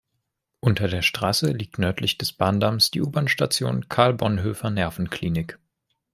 Unter der Straße liegt nördlich des Bahndamms die U-Bahn-Station Karl-Bonhoeffer-Nervenklinik.